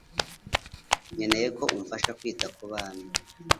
Nkeneye ko umfasha kwita kubana